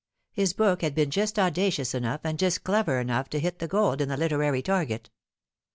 His book had been just audacious enough and just clever enough to hit the gold in the literary target.